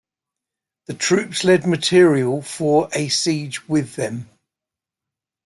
The troops led material for a siege with them.